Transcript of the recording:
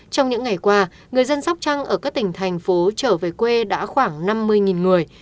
trong những ngày qua người dân sóc trăng ở các tỉnh thành phố trở về quê đã khoảng năm mươi người